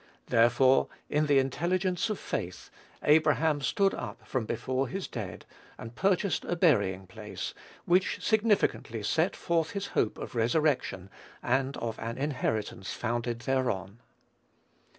Therefore, in the intelligence of faith, Abraham stood up from before his dead, and purchased a burying place, which significantly set forth his hope of resurrection, and of an inheritance founded thereon.